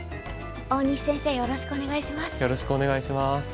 大西先生よろしくお願いします。